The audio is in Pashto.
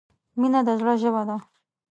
• مینه د زړۀ ژبه ده.